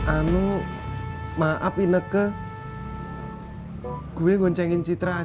anu maap i nekke gue ngoncengin citra aja ya